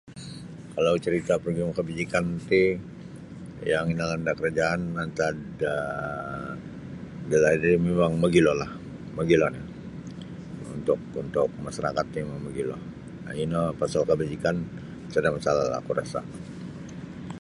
Kalau carita progrim kebajikan ti yang inalan da kerajaan antad da dalaid ri mimang mogilolah mogilo nio untuk untuk masarakat ti mogilo um ino pasal kebajikan sada masalahlah oku rasa.